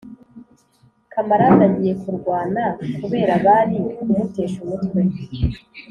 Kamarade agiye kurwana kubera bari kumutesha umutwe